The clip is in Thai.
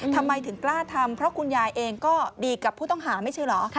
ทำไมถึงกล้าทำเพราะคุณยายเองก็ดีกับผู้ต้องหาไม่ใช่เหรอ